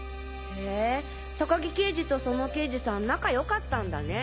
へぇ高木刑事とその刑事さん仲良かったんだね。